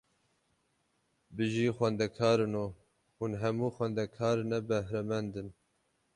Bijî xwendekarino, hûn hemû xwendekarine behremend in!